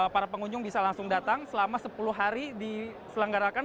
para pengunjung bisa langsung datang selama sepuluh hari diselenggarakan